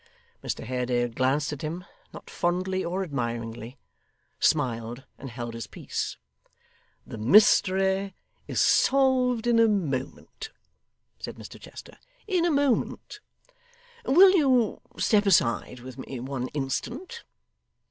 Mr Haredale glanced at him not fondly or admiringly smiled, and held his peace. 'The mystery is solved in a moment,' said Mr Chester; 'in a moment. Will you step aside with me one instant.